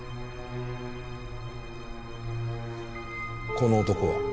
この男は？